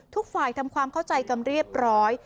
ทุกฝ่ายทำความเข้าใจกันเรียบร้อย